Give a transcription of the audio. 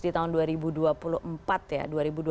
di tahun dua ribu dua puluh empat ya